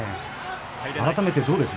改めてどうですか？